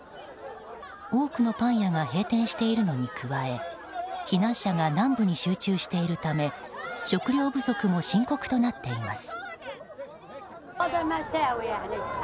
多くのパン屋が閉店しているのに加え避難者が南部に集中しているため食料不足も深刻となっています。